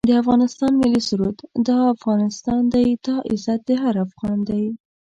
د افغانستان ملي سرود دا افغانستان دی دا عزت هر افغان دی